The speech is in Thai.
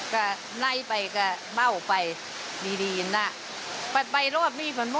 กะไลไปกะบ้าออกไปดีถึงล่ะ